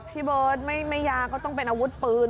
พี่เบิ๊ดไม่ยากตรงเป็นอาวุธปืน